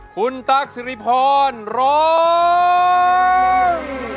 คุณตั๊กสิริพรร้อง